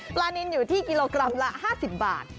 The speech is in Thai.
นินอยู่ที่กิโลกรัมละ๕๐บาท